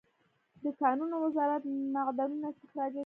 د کانونو وزارت معدنونه استخراجوي